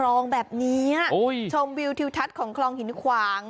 ริมคลองแบบเนี้ยโอ้ยชมวิวทิวทัศน์ของคลองหินขวาง